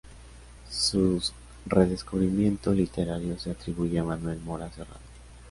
Su redescubrimiento literario se atribuye a Manuel Mora Serrano.